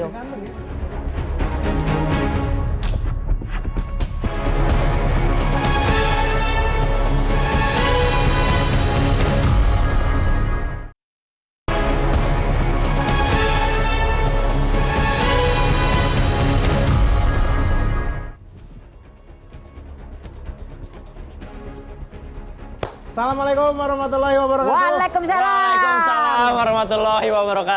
assalamualaikum warahmatullahi wabarakatuh waalaikumsalam warahmatullahi wabarakatuh